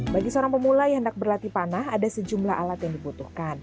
bagi seorang pemula yang hendak berlatih panah ada sejumlah alat yang dibutuhkan